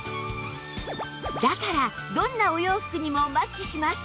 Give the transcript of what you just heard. だからどんなお洋服にもマッチします